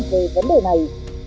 về vấn đề này